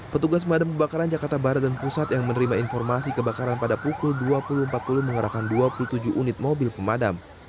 petugas pemadam kebakaran jakarta barat dan pusat yang menerima informasi kebakaran pada pukul dua puluh empat puluh mengerahkan dua puluh tujuh unit mobil pemadam